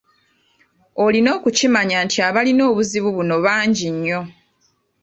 Olina okukimanya nti abalina obuzibu buno bangi nnyo.